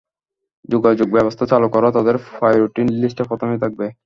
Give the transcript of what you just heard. যোগাযোগব্যবস্থা চালু করা তাদের প্রায়োরিটি লিস্টে প্রথমেই থাকবে!